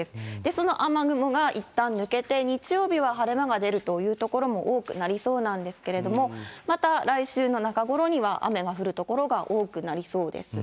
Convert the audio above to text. その雨雲がいったん抜けて、日曜日は晴れ間が出るという所も多くなりそうなんですけれども、また来週の中頃には雨が降る所が多くなりそうです。